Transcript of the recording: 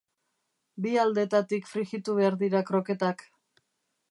Bi aldeetatik frijitu behar dira kroketak.